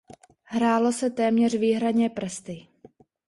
Hrálo se téměř výhradně prsty.